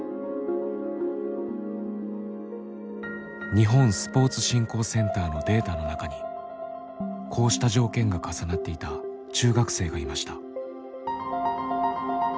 日本スポーツ振興センターのデータの中にこうした条件が重なっていた中学生がいました。